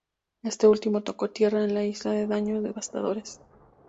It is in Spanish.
Este último tocó tierra en la isla con daños devastadores.